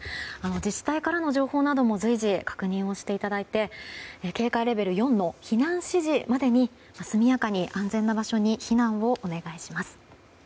自治体からの情報なども随時、確認をしていただいて警戒レベル４の避難指示までに速やかに安全な場所に避難をお願いします。